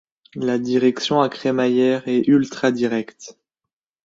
La direction à crémaillère est ultra directe.